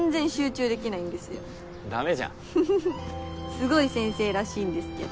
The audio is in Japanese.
すごい先生らしいんですけど。